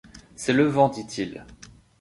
C’est le vent, dit-il.